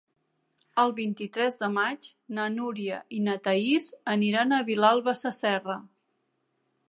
El vint-i-tres de maig na Núria i na Thaís aniran a Vilalba Sasserra.